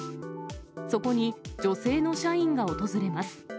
そこに女性の社員が訪れます。